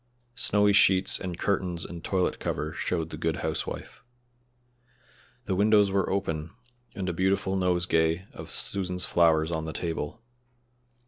Snowy sheets and curtains and toilet cover showed the good housewife. The windows were open, and a beautiful nosegay of Susan's flowers on the table.